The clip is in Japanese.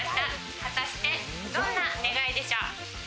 果たして、どんな願いでしょう？